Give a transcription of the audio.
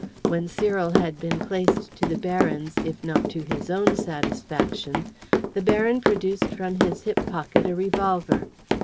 When Cyril had been placed to the Baron's if not to his own satisfaction, the Baron produced from his hip pocket a revolver.